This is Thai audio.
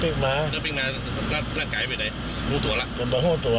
ปิ๊กมาถ้าปิ๊กมาล่าล่าไกลไปไหนรู้ตัวล่ะเป็นแบบห้วตัวนะครับ